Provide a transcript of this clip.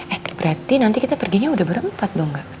eh berarti nanti kita perginya udah berempat dong kak